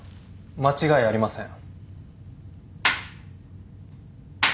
間違いありません。